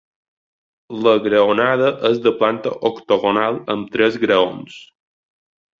La graonada és de planta octogonal amb tres graons.